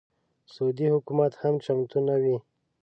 سعودي حکومت هم چمتو نه وي.